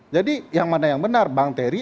jadi yang mana yang benar bang ferry